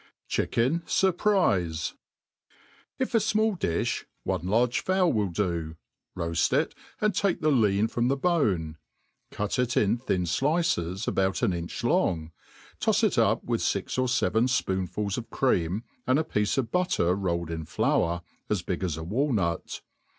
Chicken Surprize. IF a fmall di(h, one large fowl will do; roaft it, and take the lean from the bone ; cut it in thin flices, about an inch long, tofs it up with fix or feven ipoonfuls of cream, and a pieco of butter rolled in flour, as big as a walnut.